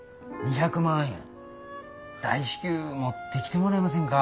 ２００万円大至急持ってきてもらえませんか。